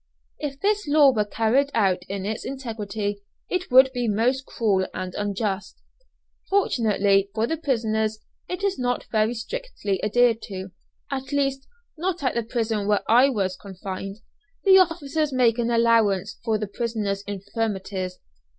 If this law were carried out in its integrity it would be most cruel and unjust. Fortunately for the prisoners it is not very strictly adhered to at least not at the prison where I was confined the officers making allowance for the prisoners' infirmities.